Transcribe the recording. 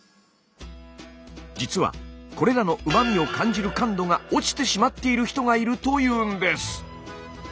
実はこれらのうま味を感じる感度が落ちてしまっている人がいるというんです。